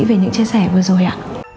về những chia sẻ vừa rồi ạ